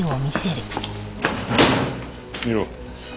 見ろ。